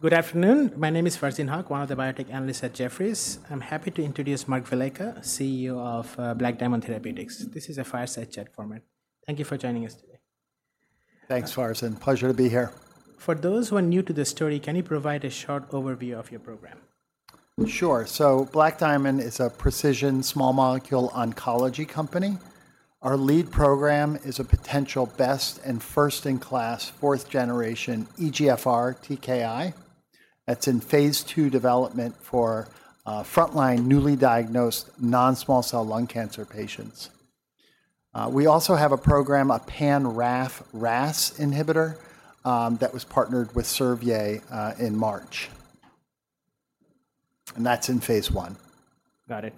Good afternoon. My name is Farzin Haque, one of the biotech analysts at Jefferies. I'm happy to introduce Mark Velleca, CEO of Black Diamond Therapeutics. This is a fireside chat format. Thank you for joining us today. Thanks, Farzin. Pleasure to be here. For those who are new to the story, can you provide a short overview of your program? Sure. So Black Diamond is a precision small molecule oncology company. Our lead program is a potential best and first-in-class fourth-generation EGFR TKI that's in phase II development for frontline newly diagnosed non-small cell lung cancer patients. We also have a program, a pan-RAF/RAS inhibitor, that was partnered with Servier in March. And that's in phase I. Got it.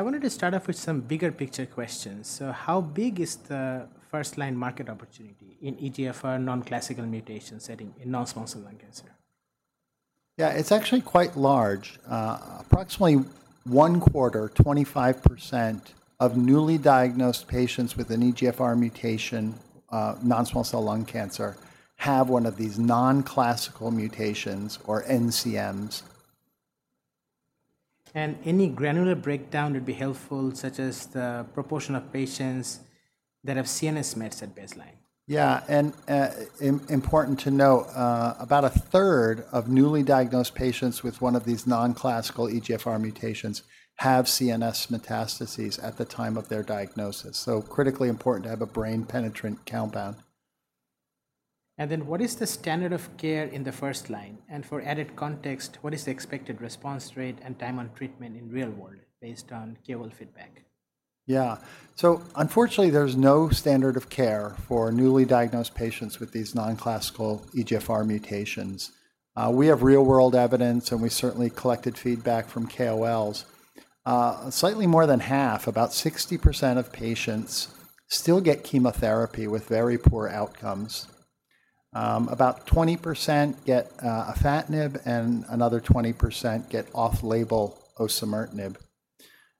I wanted to start off with some bigger picture questions. How big is the first-line market opportunity in EGFR non-classical mutation setting in non-small cell lung cancer? Yeah, it's actually quite large. Approximately one quarter, 25% of newly diagnosed patients with an EGFR mutation non-small cell lung cancer have one of these non-classical mutations or NCMs. Any granular breakdown would be helpful, such as the proportion of patients that have CNS Metastases at baseline. Yeah. Important to note, about a third of newly diagnosed patients with one of these non-classical EGFR mutations have CNS Metastases at the time of their diagnosis. Critically important to have a brain penetrant compound. What is the standard of care in the first line? For added context, what is the expected response rate and time on treatment in the real world based on KOL feedback? Yeah. So unfortunately, there's no standard of care for newly diagnosed patients with these non-classical EGFR mutations. We have real-world evidence, and we certainly collected feedback from KOLs. Slightly more than half, about 60% of patients still get chemotherapy with very poor outcomes. About 20% get Afatinib, and another 20% get off-label Osimertinib.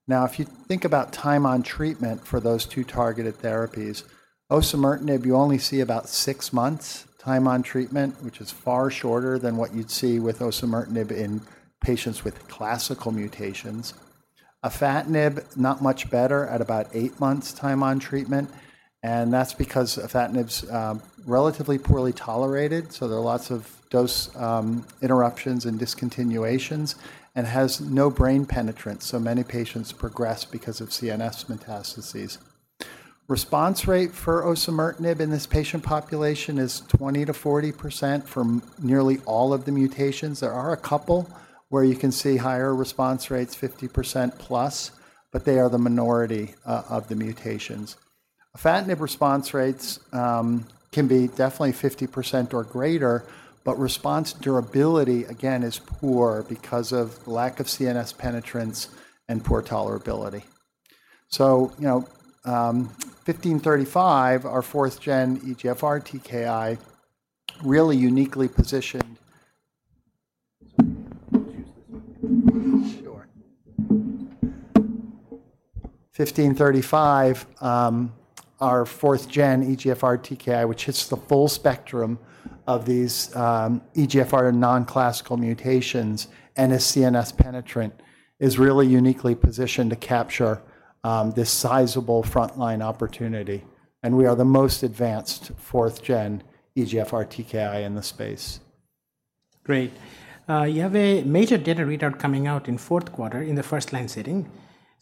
Now, if you think about time on treatment for those two targeted therapies, Osimertinib, you only see about six months time on treatment, which is far shorter than what you'd see with Osimertinib in patients with classical mutations. Afatinib, not much better at about eight months time on treatment. That is because Afatinib is relatively poorly tolerated. There are lots of dose interruptions and discontinuations and has no brain penetrant. Many patients progress because of CNS Metastases. Response rate for Osimertinib in this patient population is 20%-40% for nearly all of the mutations. There are a couple where you can see higher response rates, 50% plus, but they are the minority of the mutations. Afatinib response rates can be definitely 50% or greater, but response durability, again, is poor because of lack of CNS penetrants and poor tolerability. So BDTX-1535, our fourth-gen EGFR TKI, really uniquely positioned. Sure. BDTX-1535, our fourth-gen EGFR TKI, which hits the full spectrum of these EGFR non-classical mutations and is CNS penetrant, is really uniquely positioned to capture this sizable frontline opportunity. We are the most advanced fourth-gen EGFR TKI in the space. Great. You have a major data readout coming out in fourth quarter in the first-line setting.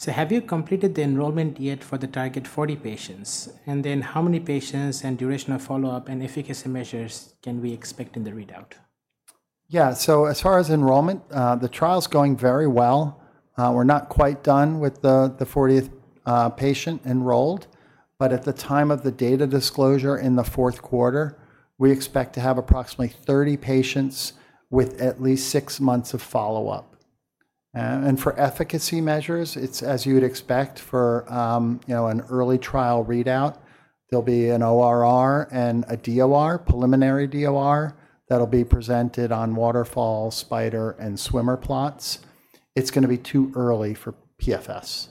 Have you completed the enrollment yet for the target 40 patients? How many patients and duration of follow-up and efficacy measures can we expect in the readout? Yeah. As far as enrollment, the trial's going very well. We're not quite done with the 40th patient enrolled. At the time of the data disclosure in the fourth quarter, we expect to have approximately 30 patients with at least six months of follow-up. For efficacy measures, it's as you would expect for an early trial readout. There'll be an ORR and a DOR, preliminary DOR, that'll be presented on waterfall, spider, and swimmer plots. It's going to be too early for PFS.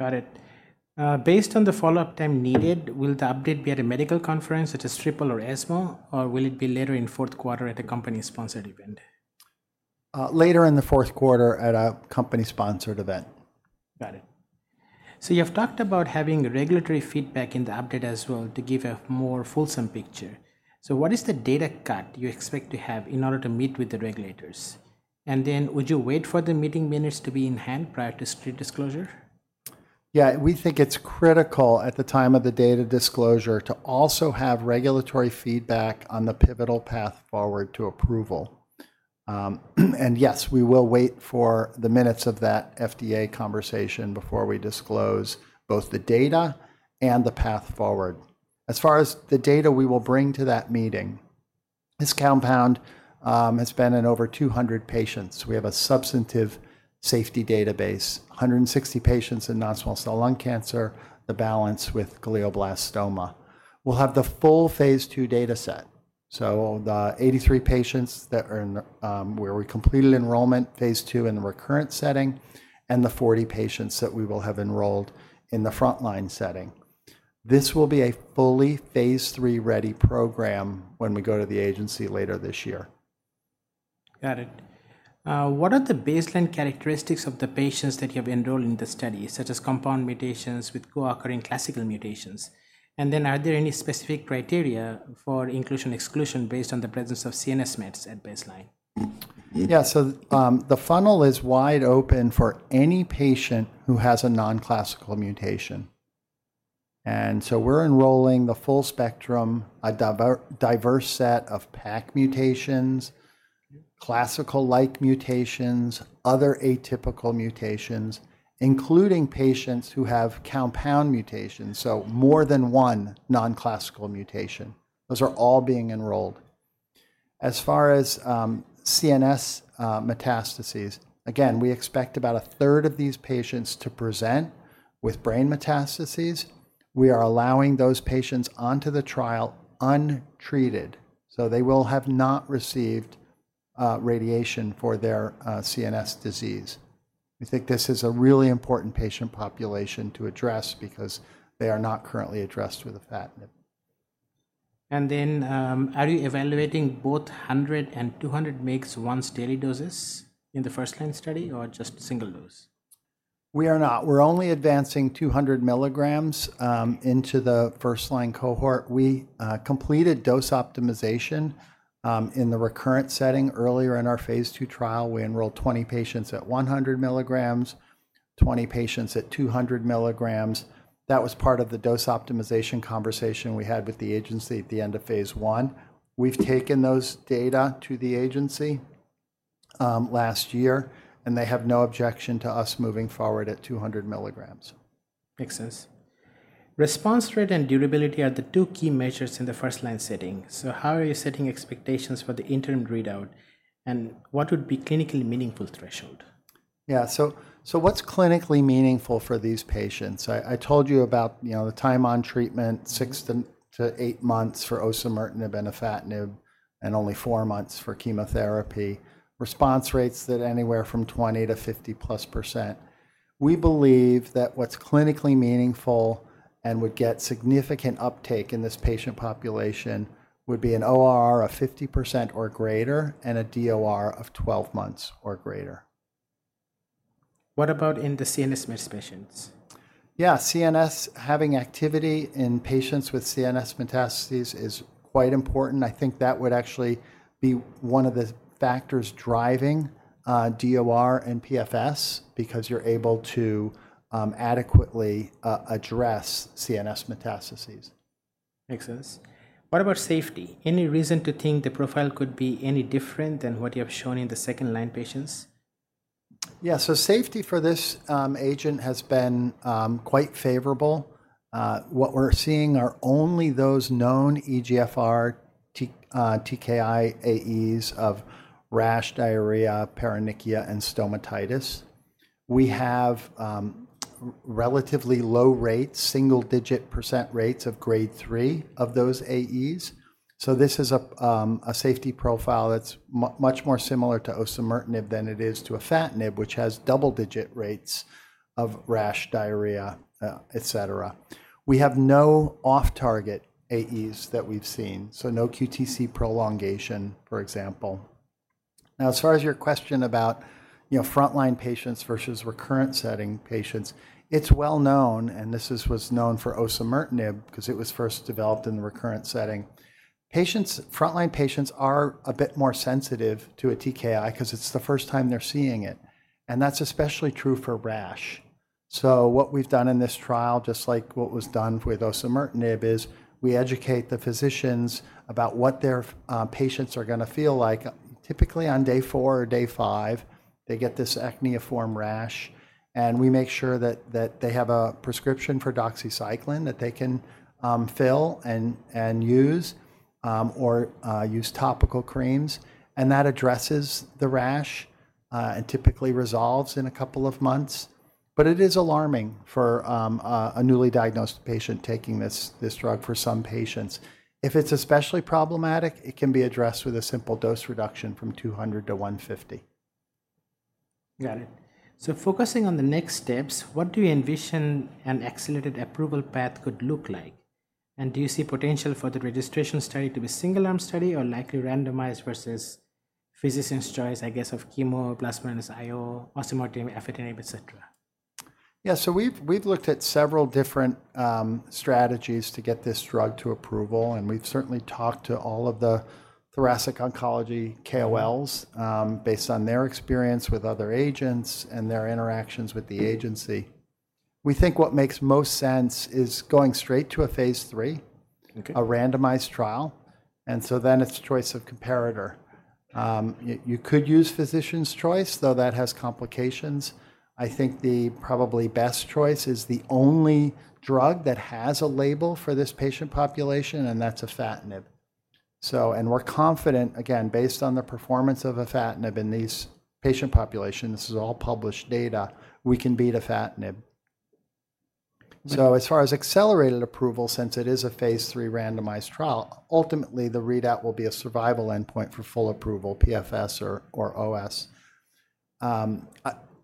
Got it. Based on the follow-up time needed, will the update be at a medical conference such as SRIPL or ESMO, or will it be later in fourth quarter at a company-sponsored event? Later in the fourth quarter at a company-sponsored event. Got it. You have talked about having regulatory feedback in the update as well to give a more fulsome picture. What is the data cut you expect to have in order to meet with the regulators? Would you wait for the meeting minutes to be in hand prior to street disclosure? Yeah. We think it's critical at the time of the data disclosure to also have regulatory feedback on the pivotal path forward to approval. Yes, we will wait for the minutes of that FDA conversation before we disclose both the data and the path forward. As far as the data we will bring to that meeting, this compound has been in over 200 patients. We have a substantive safety database, 160 patients in non-small cell lung cancer, the balance with glioblastoma. We'll have the full phase II data set. The 83 patients that are where we completed enrollment phase II in the recurrent setting and the 40 patients that we will have enrolled in the frontline setting. This will be a fully phase III ready program when we go to the agency later this year. Got it. What are the baseline characteristics of the patients that you have enrolled in the study, such as compound mutations with co-occurring classical mutations? Are there any specific criteria for inclusion/exclusion based on the presence of CNS metastasis at baseline? Yeah. The funnel is wide open for any patient who has a non-classical mutation. We are enrolling the full spectrum, a diverse set of PACC mutations, classical-like mutations, other atypical mutations, including patients who have compound mutations, so more than one non-classical mutation. Those are all being enrolled. As far as CNS Metastases, again, we expect about a third of these patients to present with brain Metastases. We are allowing those patients onto the trial untreated. They will have not received radiation for their CNS disease. We think this is a really important patient population to address because they are not currently addressed with Afatinib. Are you evaluating both 100 and 200 mg once daily doses in the first-line study or just single dose? We are not. We're only advancing 200 mg into the first-line cohort. We completed dose optimization in the recurrent setting earlier in our phase II trial. We enrolled 20 patients at 100 mg, 20 patients at 200 mg. That was part of the dose optimization conversation we had with the agency at the end of phase I. We've taken those data to the agency last year, and they have no objection to us moving forward at 200 mg. Makes sense. Response rate and durability are the two key measures in the first-line setting. How are you setting expectations for the interim readout and what would be clinically meaningful threshold? Yeah. So what's clinically meaningful for these patients? I told you about the time on treatment, six to eight months for Osimertinib and Afatinib, and only four months for chemotherapy. Response rates that are anywhere from 20% to 50%. We believe that what's clinically meaningful and would get significant uptake in this patient population would be an ORR of 50% or greater and a DOR of 12 months or greater. What about in the CNS Metastases patients? Yeah. CNS, having activity in patients with CNS Metastases is quite important. I think that would actually be one of the factors driving DOR and PFS because you're able to adequately address CNS Metastases. Makes sense. What about safety? Any reason to think the profile could be any different than what you have shown in the second-line patients? Yeah. So safety for this agent has been quite favorable. What we're seeing are only those known EGFR TKI AEs of rash, diarrhea, paronychia, and stomatitis. We have relatively low rates, single-digit % rates of grade three of those AEs. This is a safety profile that's much more similar to Osimertinib than it is to Afatinib, which has double-digit % rates of rash, diarrhea, et cetera. We have no off-target AEs that we've seen, so no QTc prolongation, for example. Now, as far as your question about frontline patients versus recurrent setting patients, it's well known, and this was known for Osimertinib because it was first developed in the recurrent setting. Frontline patients are a bit more sensitive to a TKI because it's the first time they're seeing it. That's especially true for rash. What we've done in this trial, just like what was done with Osimertinib, is we educate the physicians about what their patients are going to feel like. Typically, on day four or day five, they get this acneiform rash. We make sure that they have a prescription for doxycycline that they can fill and use or use topical creams. That addresses the rash and typically resolves in a couple of months. It is alarming for a newly diagnosed patient taking this drug for some patients. If it's especially problematic, it can be addressed with a simple dose reduction from 200 to 150. Got it. Focusing on the next steps, what do you envision an accelerated approval path could look like? Do you see potential for the registration study to be a single-arm study or likely randomized versus physicians' choice, I guess, of chemo, plasma IO, Osimertinib, Afatinib, et cetera? Yeah. So we've looked at several different strategies to get this drug to approval. And we've certainly talked to all of the thoracic oncology KOLs based on their experience with other agents and their interactions with the agency. We think what makes most sense is going straight to a phase III, a randomized trial. And so then it's a choice of comparator. You could use physician's choice, though that has complications. I think the probably best choice is the only drug that has a label for this patient population, and that's Afatinib. And we're confident, again, based on the performance of Afatinib in these patient populations, this is all published data, we can beat Afatinib. So as far as accelerated approval, since it is a phase III randomized trial, ultimately, the readout will be a survival endpoint for full approval, PFS or OS.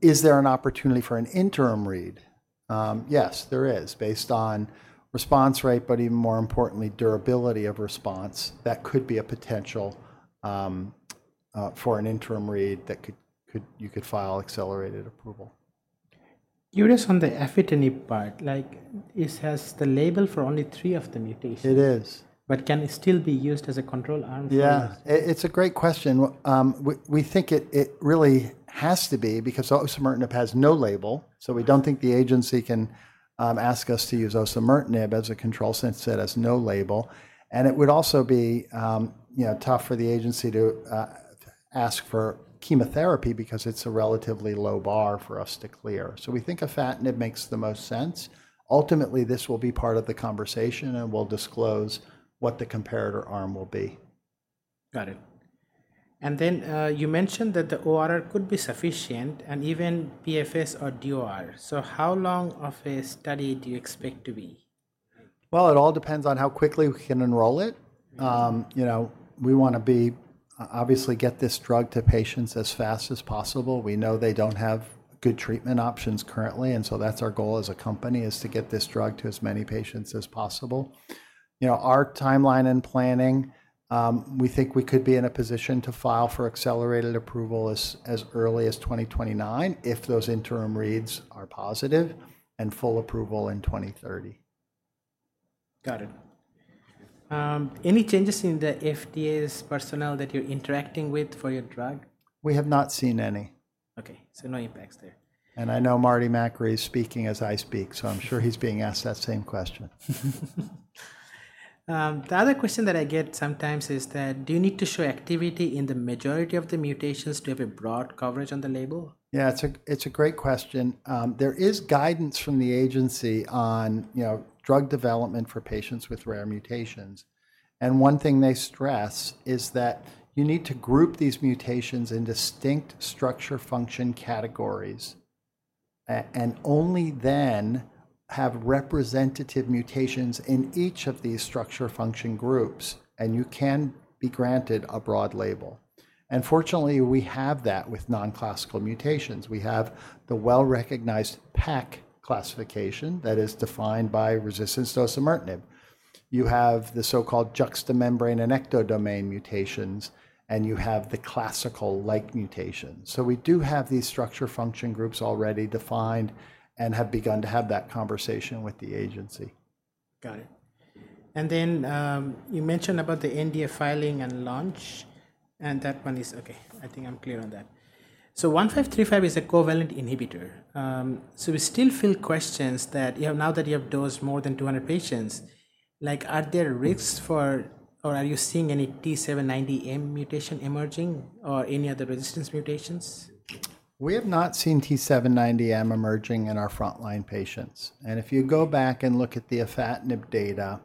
Is there an opportunity for an interim read? Yes, there is based on response rate, but even more importantly, durability of response. That could be a potential for an interim read that you could file accelerated approval. Curious on the Afatinib part. It has the label for only three of the mutations. It is. Can it still be used as a control arm for this? Yeah. It's a great question. We think it really has to be because Osimertinib has no label. We don't think the agency can ask us to use Osimertinib as a control since it has no label. It would also be tough for the agency to ask for chemotherapy because it's a relatively low bar for us to clear. We think Afatinib makes the most sense. Ultimately, this will be part of the conversation, and we'll disclose what the comparator arm will be. Got it. You mentioned that the ORR could be sufficient and even PFS or DOR. How long of a study do you expect to be? It all depends on how quickly we can enroll it. We want to obviously get this drug to patients as fast as possible. We know they do not have good treatment options currently. That is our goal as a company, to get this drug to as many patients as possible. Our timeline and planning, we think we could be in a position to file for accelerated approval as early as 2029 if those interim reads are positive and full approval in 2030. Got it. Any changes in the FDA's personnel that you're interacting with for your drug? We have not seen any. Okay. So no impacts there. I know Marty Makary is speaking as I speak, so I'm sure he's being asked that same question. The other question that I get sometimes is that do you need to show activity in the majority of the mutations to have a broad coverage on the label? Yeah. It's a great question. There is guidance from the agency on drug development for patients with rare mutations. One thing they stress is that you need to group these mutations in distinct structure-function categories and only then have representative mutations in each of these structure-function groups, and you can be granted a broad label. Fortunately, we have that with non-classical mutations. We have the well-recognized PACC classification that is defined by resistance to Osimertinib. You have the so-called juxta-membrane and ectodomain mutations, and you have the classical-like mutations. We do have these structure-function groups already defined and have begun to have that conversation with the agency. Got it. You mentioned the NDA filing and launch, and that one is okay. I think I'm clear on that. 1535 is a covalent inhibitor. We still feel questions that now that you have dosed more than 200 patients, are there risks or are you seeing any T790M mutation emerging or any other resistance mutations? We have not seen T790M emerging in our frontline patients. If you go back and look at the Afatinib data,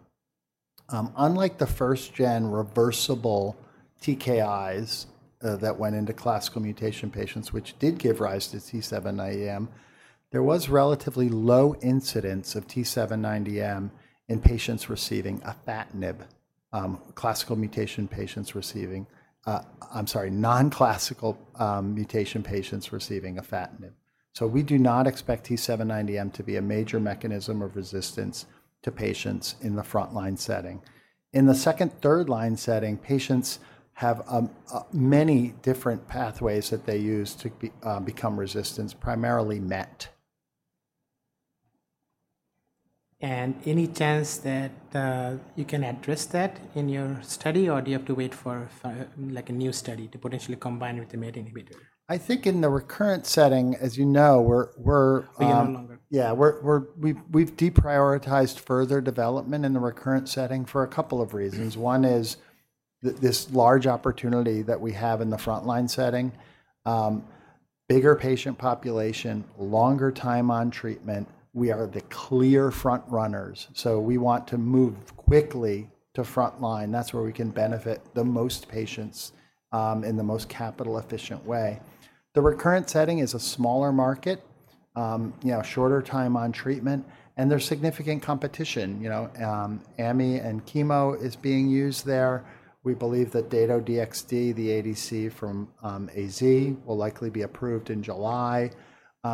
unlike the first-gen reversible TKIs that went into classical mutation patients, which did give rise to T790M, there was relatively low incidence of T790M in patients receiving Afatinib, non-classical mutation patients receiving Afatinib. We do not expect T790M to be a major mechanism of resistance to patients in the frontline setting. In the second, third-line setting, patients have many different pathways that they use to become resistant, primarily MET. there any chance that you can address that in your study, or do you have to wait for a new study to potentially combine with the meta-inhibitor? I think in the recurrent setting, as you know, we're. Beyond longer. Yeah. We've deprioritized further development in the recurrent setting for a couple of reasons. One is this large opportunity that we have in the frontline setting. Bigger patient population, longer time on treatment. We are the clear front runners. We want to move quickly to frontline. That's where we can benefit the most patients in the most capital-efficient way. The recurrent setting is a smaller market, shorter time on treatment, and there's significant competition. AMI and chemo is being used there. We believe that Dato-DXd, the ADC from AstraZeneca, will likely be approved in July.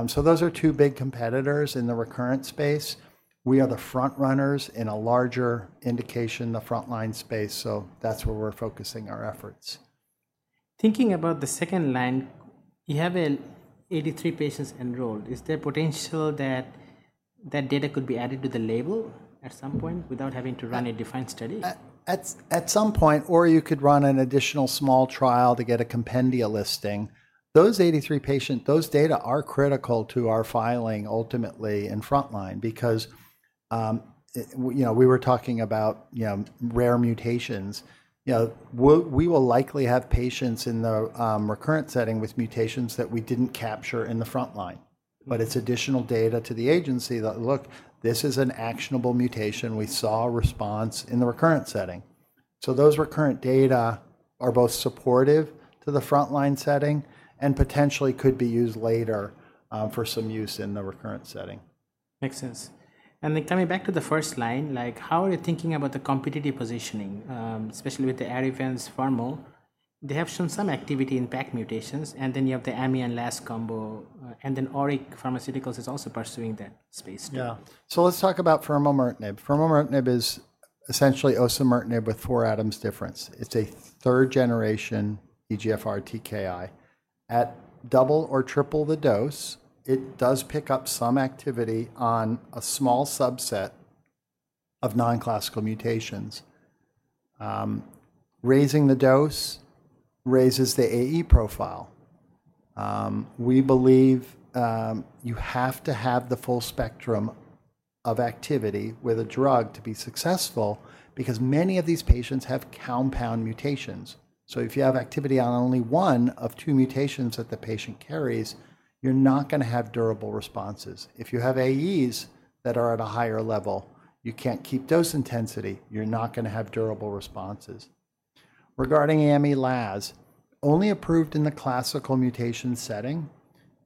Those are two big competitors in the recurrent space. We are the front runners in a larger indication, the frontline space. That's where we're focusing our efforts. Thinking about the second line, you have 83 patients enrolled. Is there potential that that data could be added to the label at some point without having to run a defined study? At some point, or you could run an additional small trial to get a compendia listing. Those 83 patients, those data are critical to our filing ultimately in frontline because we were talking about rare mutations. We will likely have patients in the recurrent setting with mutations that we did not capture in the frontline. It is additional data to the agency that, look, this is an actionable mutation. We saw a response in the recurrent setting. Those recurrent data are both supportive to the frontline setting and potentially could be used later for some use in the recurrent setting. Makes sense. And then coming back to the first line, how are you thinking about the competitive positioning, especially with the ArriVent's Firmonertinib? They have shown some activity in PACC mutations, and then you have the AMI and LAS combo, and then ORIC Pharmaceuticals is also pursuing that space too. Yeah. So let's talk about Firmonertinib. Furmonertinib is essentially Osimertinib with four atoms difference. It's a third-generation EGFR TKI. At double or triple the dose, it does pick up some activity on a small subset of non-classical mutations. Raising the dose raises the AE profile. We believe you have to have the full spectrum of activity with a drug to be successful because many of these patients have compound mutations. So if you have activity on only one of two mutations that the patient carries, you're not going to have durable responses. If you have AEs that are at a higher level, you can't keep dose intensity. You're not going to have durable responses. Regarding AMI LAS, only approved in the classical mutation setting.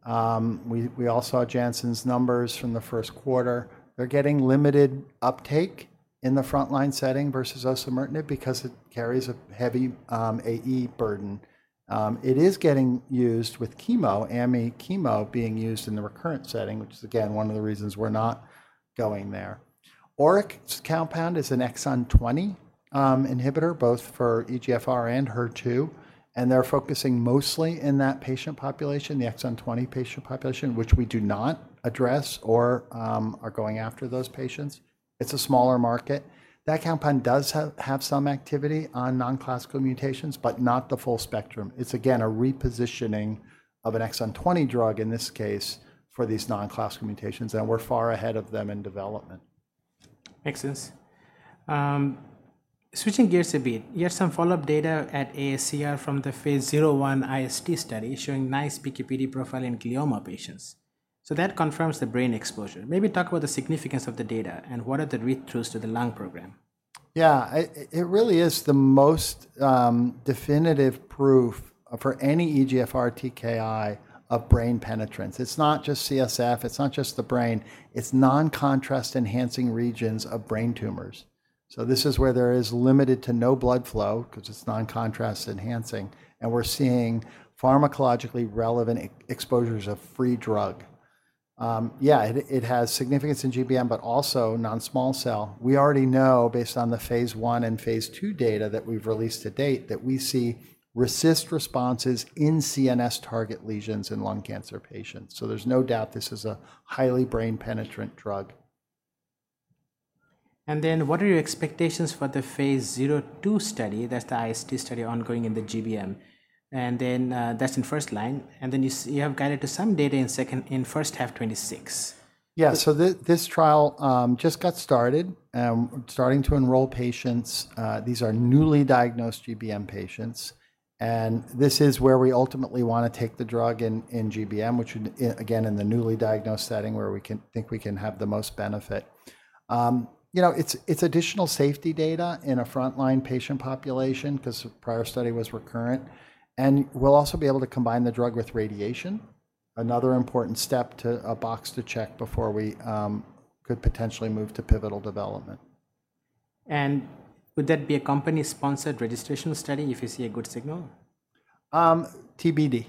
We all saw Janssen's numbers from the first quarter. They're getting limited uptake in the frontline setting versus Osimertinib because it carries a heavy AE burden. It is getting used with chemo, AMI chemo being used in the recurrent setting, which is, again, one of the reasons we're not going there. ORIC's compound is an exon 20 inhibitor, both for EGFR and HER2, and they're focusing mostly in that patient population, the exon 20 patient population, which we do not address or are going after those patients. It's a smaller market. That compound does have some activity on non-classical mutations, but not the full spectrum. It's, again, a repositioning of an exon 20 drug in this case for these non-classical mutations, and we're far ahead of them in development. Makes sense. Switching gears a bit, you have some follow-up data at ASCO from the phase I IST study showing nice PKPD profile in glioma patients. So that confirms the brain exposure. Maybe talk about the significance of the data and what are the read-throughs to the lung program. Yeah. It really is the most definitive proof for any EGFR TKI of brain penetrance. It's not just CSF. It's not just the brain. It's non-contrast-enhancing regions of brain tumors. This is where there is limited to no blood flow because it's non-contrast-enhancing, and we're seeing pharmacologically relevant exposures of free drug. Yeah, it has significance in GBM, but also non-small cell. We already know, based on the phase I and phase II data that we've released to date, that we see resist responses in CNS target lesions in lung cancer patients. There is no doubt this is a highly brain penetrant drug. What are your expectations for the phase II study? That is the IST study ongoing in the GBM, and that is in first line. You have guided to some data in first half 2026. Yeah. This trial just got started, starting to enroll patients. These are newly diagnosed GBM patients. This is where we ultimately want to take the drug in GBM, which, again, in the newly diagnosed setting where we think we can have the most benefit. It is additional safety data in a frontline patient population because prior study was recurrent. We will also be able to combine the drug with radiation, another important step, a box to check before we could potentially move to pivotal development. Would that be a company-sponsored registration study if you see a good signal? TBD.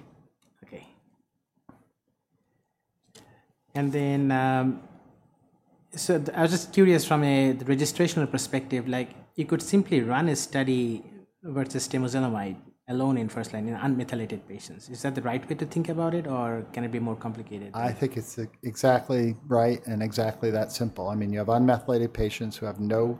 Okay. I was just curious from a registrational perspective, you could simply run a study versus Temozolomide alone in first line in unmethylated patients. Is that the right way to think about it, or can it be more complicated? I think it's exactly right and exactly that simple. I mean, you have unmethylated patients who have no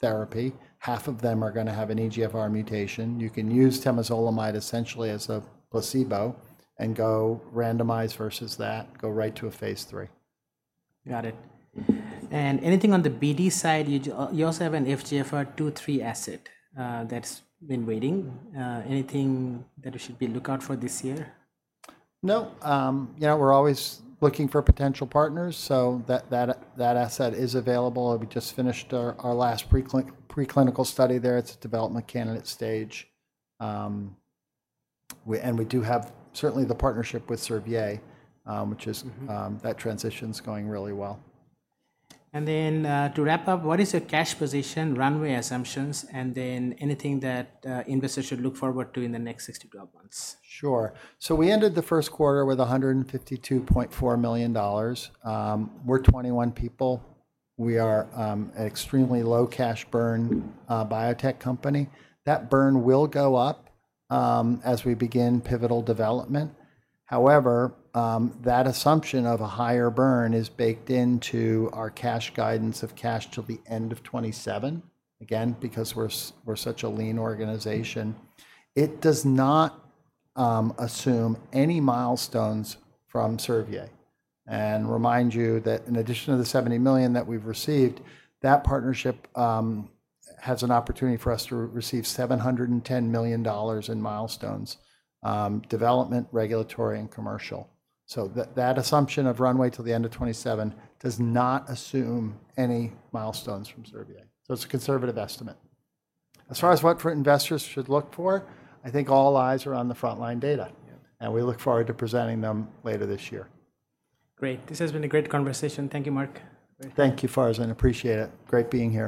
therapy. Half of them are going to have an EGFR mutation. You can use Temozolomide essentially as a placebo and go randomize versus that, go right to a phase III. Got it. Anything on the BD side? You also have an FGFR 2/3 asset that's been waiting. Anything that we should be looking out for this year? No. We're always looking for potential partners. So that asset is available. We just finished our last preclinical study there. It's a development candidate stage. And we do have certainly the partnership with Servier, which is that transition's going really well. To wrap up, what is your cash position, runway assumptions, and then anything that investors should look forward to in the next 6-12 months? Sure. So we ended the first quarter with $152.4 million. We're 21 people. We are an extremely low cash burn biotech company. That burn will go up as we begin pivotal development. However, that assumption of a higher burn is baked into our cash guidance of cash till the end of 2027, again, because we're such a lean organization. It does not assume any milestones from Servier. And remind you that in addition to the $70 million that we've received, that partnership has an opportunity for us to receive $710 million in milestones, development, regulatory, and commercial. So that assumption of runway till the end of 2027 does not assume any milestones from Servier. So it's a conservative estimate. As far as what investors should look for, I think all eyes are on the frontline data, and we look forward to presenting them later this year. Great. This has been a great conversation. Thank you, Mark. Thank you, Farzin. Appreciate it. Great being here.